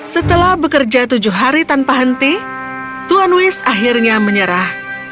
setelah bekerja tujuh hari tanpa henti tuan wish akhirnya menyerah